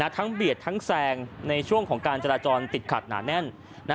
เบียดทั้งแซงในช่วงของการจราจรติดขัดหนาแน่น